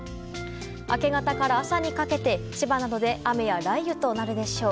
明け方から朝にかけて千葉などで雨や雷雨となるでしょう。